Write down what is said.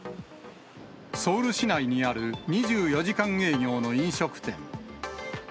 ソウル市内にある２４時間営業の飲食店。